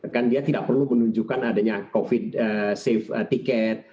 kan dia tidak perlu menunjukkan adanya covid safe ticket